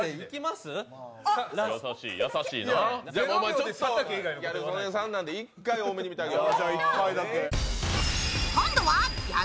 ちょっとギャル曽根さんなんで１回大目に見てあげよう。